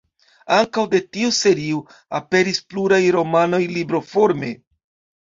Ankaŭ de tiu serio aperis pluraj romanoj libroforme.